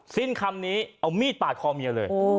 สิ้นคำนี้เอามีดปาดคอเมียเลย